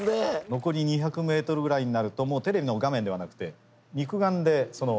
残り２００ｍぐらいになるともうテレビの画面ではなくて肉眼でその。